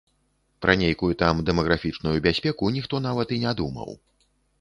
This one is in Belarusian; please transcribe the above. Пра нейкую там дэмаграфічную бяспеку ніхто нават і не думаў.